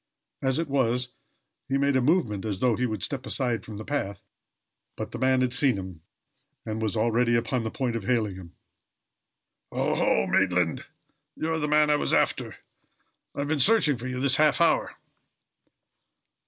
As it was, he made a movement as though he would step aside from the path, but the man had seen him, and was already upon the point of hailing him. "Oho! Maitland, you are the man I was after. I've been searching for you this half hour."